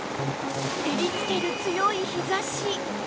照りつける強い日差し